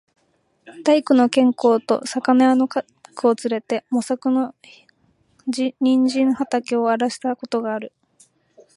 大工の兼公と肴屋の角をつれて、茂作の人参畠をあらした事がある。